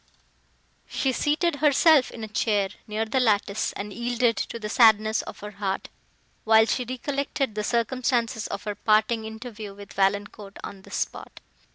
She seated herself in a chair, near the lattice, and yielded to the sadness of her heart, while she recollected the circumstances of her parting interview with Valancourt, on this spot.